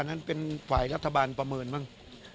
นั่นเป็นฝ่ายรัฐบาลประเมินบ้าง